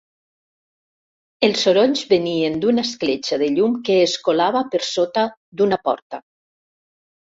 Els sorolls venien d'una escletxa de llum que es colava per sota d'una porta.